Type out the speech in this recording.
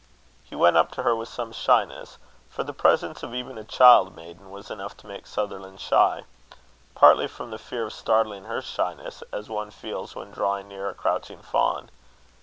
He went up to her with some shyness; for the presence of even a child maiden was enough to make Sutherland shy partly from the fear of startling her shyness, as one feels when drawing near a couching fawn.